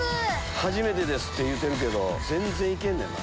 初めてって言うてるけど全然いけんねんな。